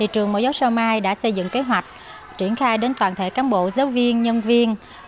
trường mẫu giáo sao mai đã xây dựng kế hoạch triển khai đến toàn thể cán bộ giáo viên nhân viên